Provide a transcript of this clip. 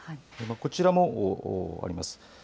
こちらもあります。